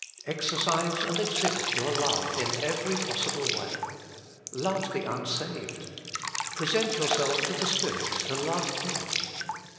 Exercise and exhibit your love in every possible way. Love the unsaved. Present yourself to the Spirit to love Him.